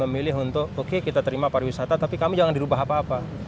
mereka lebih memilih untuk oke kita terima pariwisata tapi kami jangan dirubah apa apa